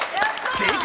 正解！